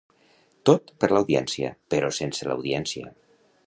Tot per l'audiència, però sense l'audiència.